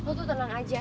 reva lo tuh tenang aja